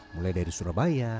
mulai dari surabaya